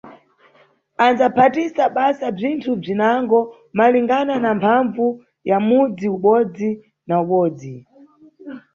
Andzaphatisa basa bzinthu bzinango malingana na mphambvu ya mudzi ubodzi na ubodzi.